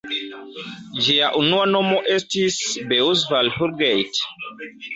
Ĝia unua nomo estis "Beuzeval-Houlgate".